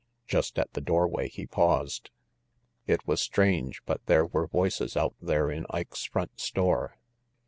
Just at the doorway he paused. It was strange, but there were voices out there in Ike's front store.